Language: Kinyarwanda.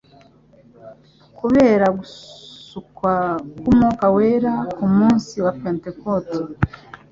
Kubera gusukwa k'Umwuka wera ku munsi wa Pentekoti